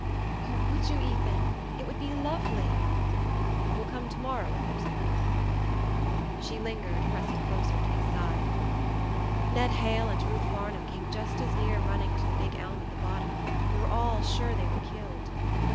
"Oh, would you, Ethan? It would be lovely!" "We'll come to morrow if there's a moon." She lingered, pressing closer to his side. "Ned Hale and Ruth Varnum came just as near running into the big elm at the bottom. We were all sure they were killed."